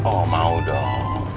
oh mau dong